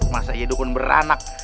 masa iya dukun beranak